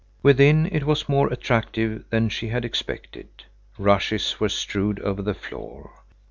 Within it was more attractive than she had expected. Rushes were strewed over the floor.